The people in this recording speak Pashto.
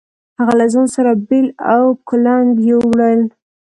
هغه له ځان سره بېل او کُلنګ يو وړل.